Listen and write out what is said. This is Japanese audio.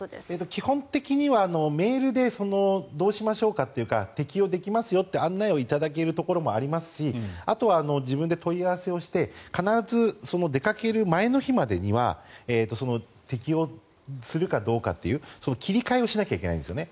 基本的にはメールでどうしましょうかというか適用できますよという案内を頂けるところもありますしあとは自分で問い合わせて必ず、出かける前の日までには適用するかどうかという切り替えをしなきゃいけないんですよね。